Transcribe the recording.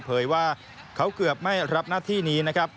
เผยว่าเขาเกือบไม่รับหน้าที่นี้นะครับ